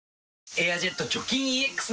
「エアジェット除菌ＥＸ」